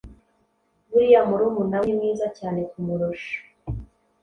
buriya murumuna we ni mwiza cyane kumurusha